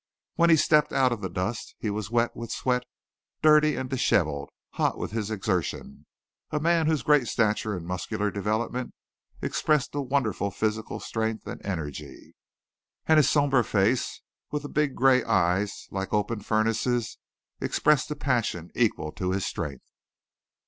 When he stepped out of the dust he was wet with sweat, dirty, and disheveled, hot with his exertion a man whose great stature and muscular development expressed a wonderful physical strength and energy. And his somber face, with the big gray eyes, like open furnaces, expressed a passion equal to his strength.